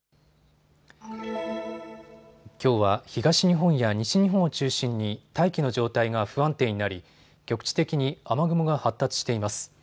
きょうは東日本や西日本を中心に大気の状態が不安定になり局地的に雨雲が発達しています。